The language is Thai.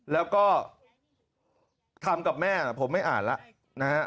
แล้วก็ทำกับแม่ผมไม่อ่านแล้วนะฮะ